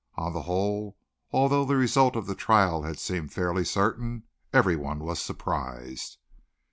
On the whole, although the result of the trial had seemed fairly certain, everyone was surprised.